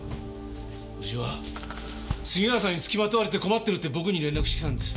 叔父は杉浦さんに付きまとわれて困ってるって僕に連絡してきたんです。